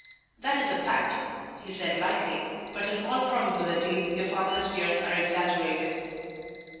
"That is a pact," he said lightly; "but in all probability your father's fears are exaggerated."